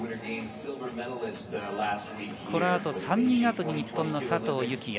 このあと３人後に日本の佐藤幸椰。